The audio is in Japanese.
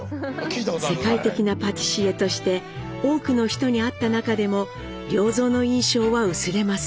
世界的なパティシエとして多くの人に会った中でも良三の印象は薄れません。